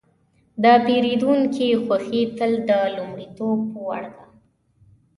د پیرودونکي خوښي تل د لومړیتوب وړ ده.